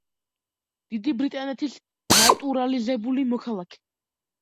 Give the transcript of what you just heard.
დიდი ბრიტანეთის ნატურალიზებული მოქალაქე.